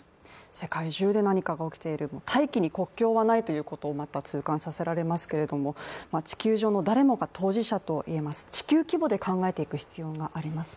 世界中で何かが起きている大気に国境はないということを痛感させられますけれども、地球中の誰もが当事者ということでもあります